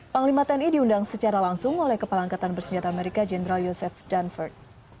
panglima tni diundang secara langsung oleh kepala angkatan bersenjata amerika jenderal yosef dunford